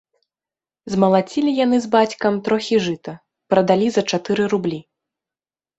Змалацілі яны з бацькам трохі жыта, прадалі за чатыры рублі.